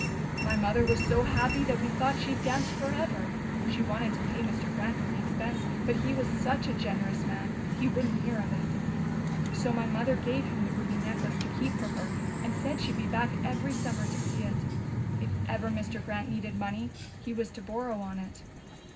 "My mother was so happy that we thought she'd dance forever. She wanted to pay Mr. Grant for the expense, but he was such a generous man he wouldn't hear of it. So my mother gave him the ruby necklace to keep for her and said she'd be back every summer to see it. If ever Mr. Grant needed money, he was to borrow on it.